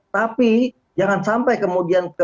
tapi jangan sampai kemudian